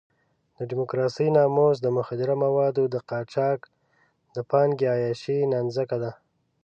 د ډیموکراسۍ ناموس د مخدره موادو د قاچاق د پانګې عیاشۍ نانځکه ده.